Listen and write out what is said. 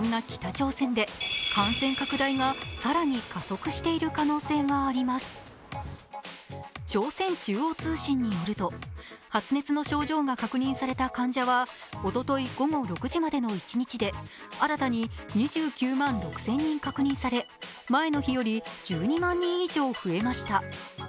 朝鮮中央通信によると、発熱の症状が確認された患者はおととい午後６時までの一日で新たに２９万６０００人確認され前の日より１２万人以上増えました。